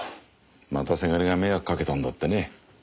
また倅が迷惑かけたんだってね。